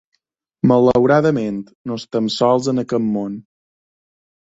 Malauradament, no estem sols en aquest món.